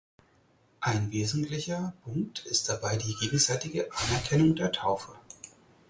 Ein wesentlicher Punkt ist dabei die gegenseitige Anerkennung der Taufe.